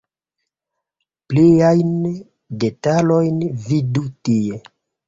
Pliajn detalojn vidu tie.